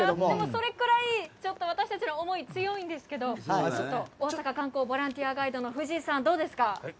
それくらい私たちの思い強いんですけど大阪担当ボランティアガイドの藤井さん、どうですか。